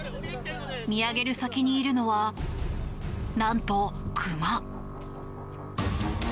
見上げる先にいるのは何と、クマ。